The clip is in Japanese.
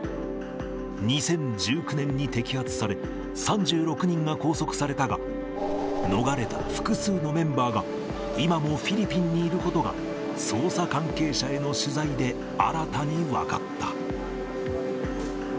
２０１９年に摘発され、３６人が拘束されたが、逃れた複数のメンバーが今もフィリピンにいることが、捜査関係者への取材で新たに分かった。